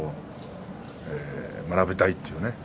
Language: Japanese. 学びたいというね。